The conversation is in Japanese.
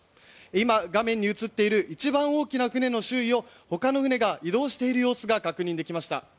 今、画面に映っている一番大きな船の周囲をほかの船が移動している様子が確認できました。